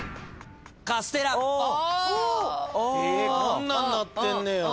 こんなんなってんねや。